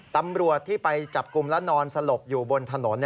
ตำรวจที่ไปจับกลุ่มและนอนสลบอยู่บนถนน